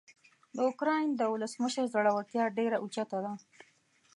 د اوکراین د ولسمشر زړورتیا ډیره اوچته ده.